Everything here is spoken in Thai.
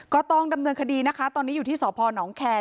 ก็ต้องดำเนินคดีนะคะตอนนี้อยู่ที่สพนแคร์